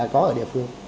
có ở địa phương